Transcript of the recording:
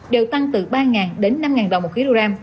đều tăng từ ba đến năm đồng một kg